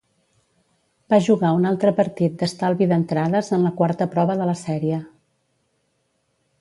Va jugar un altre partit d'estalvi d'entrades en la quarta prova de la sèrie.